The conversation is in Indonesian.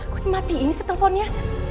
kok mati ini setelponnya